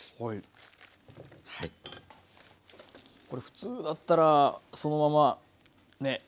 これ普通だったらそのままね。